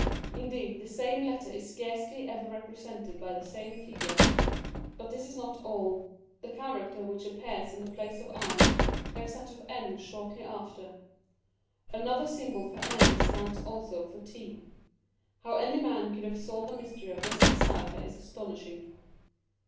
Indeed the same letter is scarcely ever represented by the same figure ; but this is not all : the character which appears in the place of i takes that of n shortly after ; another symbol for n stands also for /. How any man could have solved the mystery of this cypher is astonishing.